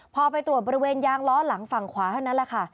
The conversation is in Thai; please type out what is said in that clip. พอไปตรวจบริเวณยางล้อหลังฝั่งขวาเท่านั้นแหละค่ะ